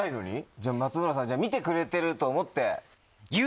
じゃあ松村さん見てくれてると思って。